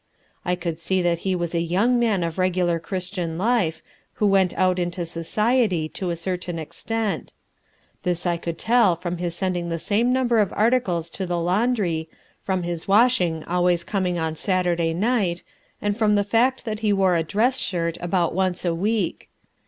I could see that he was a young man of regular Christian life, who went out into society to a certain extent; this I could tell from his sending the same number of articles to the laundry, from his washing always coming on Saturday night, and from the fact that he wore a dress shirt about once a week.